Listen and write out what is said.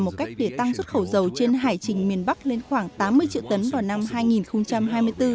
một cách để tăng xuất khẩu dầu trên hải trình miền bắc lên khoảng tám mươi triệu tấn vào năm hai nghìn hai mươi bốn